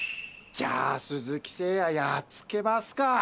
じゃあ鈴木誠也やっつけますか。